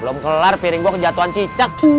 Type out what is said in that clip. belum kelar piring gue kejatuhan cicak